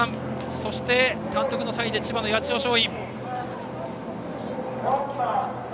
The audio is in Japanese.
そして、単独３位で千葉の八千代松陰。